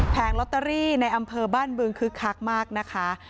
ลอตเตอรี่ในอำเภอบ้านบึงคึกคักมากนะคะ